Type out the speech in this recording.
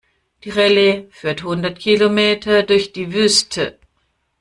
Die Rallye führt hundert Kilometer durch die Wüste.